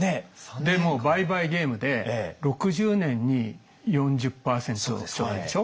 でもう倍々ゲームで６０年に４０％とかでしょ。